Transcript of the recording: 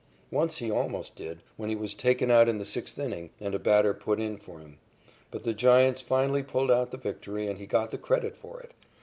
_ Once he almost did, when he was taken out in the sixth inning, and a batter put in for him, but the Giants finally pulled out the victory and he got the credit for it.